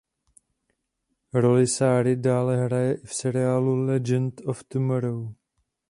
Roli Sary dále hraje i v seriálu "Legend of Tomorrow".